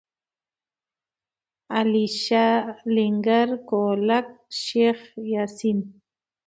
علیشه، لنگر، کولک، شیخ یاسین.